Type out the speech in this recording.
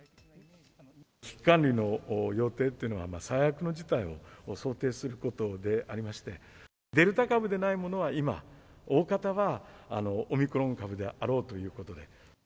危機管理の要諦っていうのは、最悪の事態を想定することでありまして、デルタ株でないものは今、大方はオミクロン株であろうということで。